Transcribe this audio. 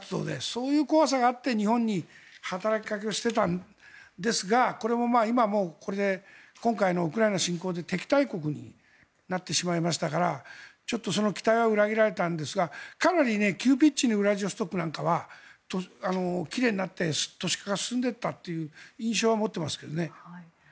そういう怖さがあって日本に働きかけをしてたんですがこれも今はもう今回のウクライナ侵攻で敵対国になってしまいましたからちょっと、その期待は裏切られたんですがかなり急ピッチにウラジオストクなんかはきれいになって都市化が進んでいったという印象は持ってますけどね。